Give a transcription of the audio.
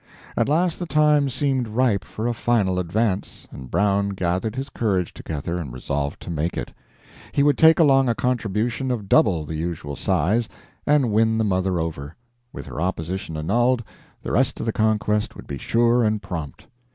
At last the time seemed ripe for a final advance, and Brown gathered his courage together and resolved to make it. He would take along a contribution of double the usual size, and win the mother over; with her opposition annulled, the rest of the conquest would be sure and prompt.